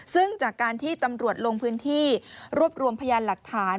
ซึ่งจากการที่ตำรวจลงพื้นที่รวบรวมพยานหลักฐาน